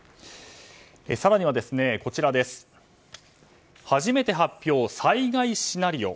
更には初めて発表、災害シナリオ。